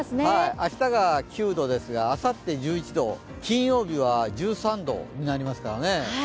明日が９度ですがあさって１１度金曜日は１３度になりますからね。